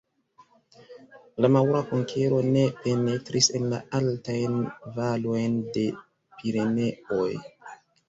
La maŭra konkero ne penetris en la altajn valojn de Pireneoj.